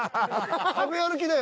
食べ歩きだよ。